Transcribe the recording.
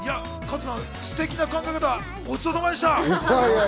すてきな考え方、ごちそうさまでした。